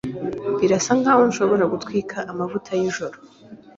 Birasa nkaho nshobora gutwika amavuta yijoro.